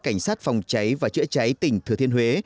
cảnh sát phòng cháy và chữa cháy tỉnh thừa thiên huế